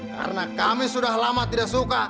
karena kami sudah lama tidak suka